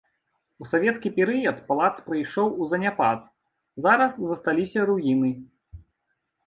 У савецкі перыяд палац прыйшоў у заняпад, зараз засталіся руіны.